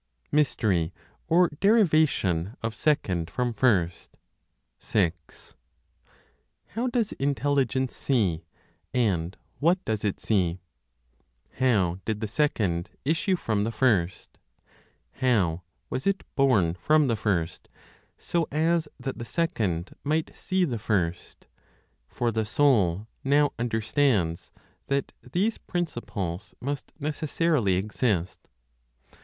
MYSTERY OR DERIVATION OF SECOND FROM FIRST. 6. How does Intelligence see, and what does it see? How did the Second issue from the First, how was it born from the First, so as that the Second might see the First? For the soul now understands that these principles must necessarily exist.